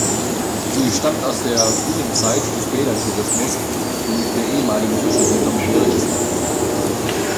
Sie stammt aus der frühen Zeit des Bädertourismus in der ehemaligen Fischersiedlung Heringsdorf.